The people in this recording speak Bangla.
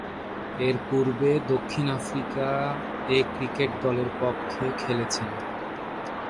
এর পূর্বে দক্ষিণ আফ্রিকা এ ক্রিকেট দলের পক্ষে খেলেছেন।